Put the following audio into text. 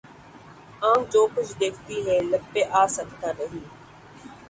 آنکھ جو کچھ دیکھتی ہے لب پہ آ سکتا نہیں